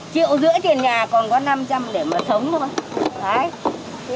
triệu rưỡi tiền nhà còn có năm trăm linh để mà sống thôi